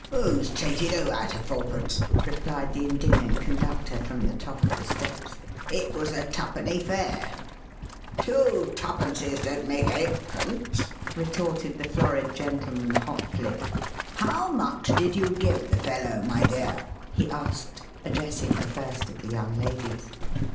"'Oo's cheated 'oo out 'o fourpence?" replied the indignant conductor from the top of the steps, "it was a twopenny fare." "Two twopences don't make eightpence," retorted the florid gentleman hotly. "How much did you give the fellow, my dear?" he asked, addressing the first of the young ladies.